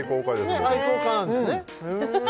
僕愛好家なんですねへえ